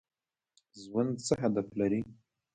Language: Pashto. ژوند څه هدف لري؟